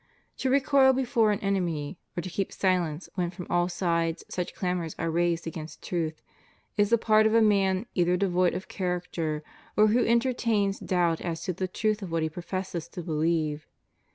' To recoil before an enemy, or to keep silence when from all sides such clamors are raised against truth, is the part of a man either devoid of character or who entertains doubt as to the truth of what he professes to believe.